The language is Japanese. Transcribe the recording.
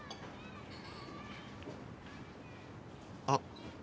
あっ！